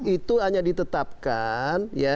itu hanya ditetapkan